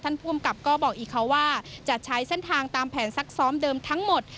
ภูมิกับก็บอกอีกค่ะว่าจะใช้เส้นทางตามแผนซักซ้อมเดิมทั้งหมด